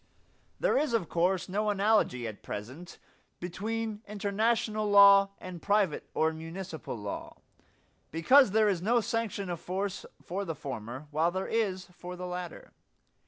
There is of course no analogy at present between international law and private or municipal law, because there is no sanction of force for the former, while there is for the latter.